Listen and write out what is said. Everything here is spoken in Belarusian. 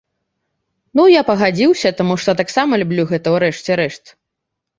Ну, я пагадзіўся, таму што таксама люблю гэта, у рэшце рэшт.